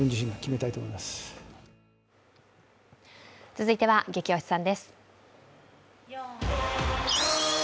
続いてはゲキ推しさんです。